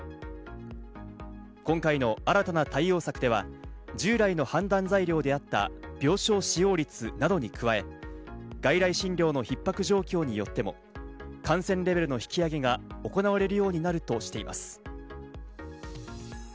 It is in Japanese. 今回の新たな対応策では従来の判断材料であった病床使用率などに加え、外来診療のひっ迫状況によっても感染レベルの引き上げが行われるようになるとしています。